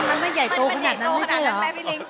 มันไม่ใหญ่โตขนาดนั้นไม่ใช่เหรอ